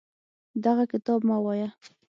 دغه کتاب مه وایه.